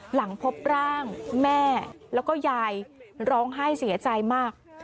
หลังพบร่างแม่แล้วก็ยายร้องไห้เสียใจมาก